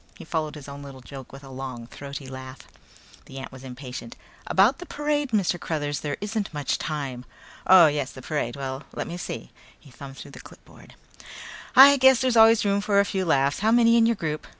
He followed his own little joke with a long throaty laugh. The ant was impatient. "About the parade, Mr. Cruthers, there isn't much time." "Oh, yes, the parade. Well, let me see," he thumbed through the clipboard, "I guess there's always room for a few laughs. How many in your group?"